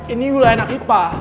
ini gue lah enak ipah